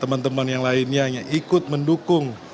teman teman yang lainnya hanya ikut mendukung